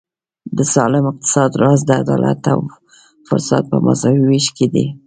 د سالم اقتصاد راز د عدالت او فرصت په مساوي وېش کې دی.